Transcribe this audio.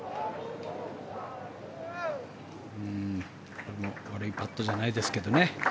これも悪いパットじゃないですけどね。